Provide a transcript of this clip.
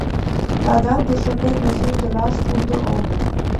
La dalle de chevet mesure de large pour de haut.